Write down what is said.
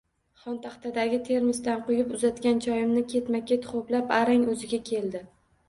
Xontaxtadagi termosdan quyib uzatgan choyimni ketma-ket ho‘plab, arang o‘ziga keldi